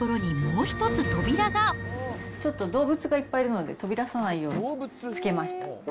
ちょっと動物がいるので、飛び出さないようにつけました。